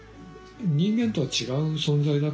人間とは違う存在だからさ。